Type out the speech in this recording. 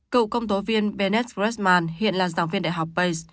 cựu công tố viên bennett gressman hiện là giảng viên đại học bates